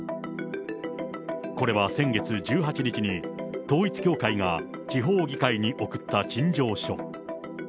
これは先月１８日に、統一教会が地方議会に送った陳情書。